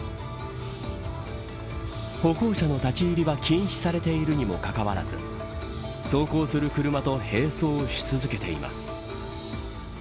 歩行者の立ち入りは禁止されているにもかかわらず走行する車と並走し続けています。